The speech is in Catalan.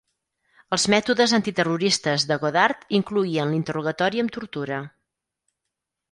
Els mètodes antiterroristes de Godard incloïen l'interrogatori amb tortura.